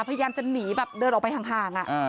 พยายามจะหนีเดินออกไปทาง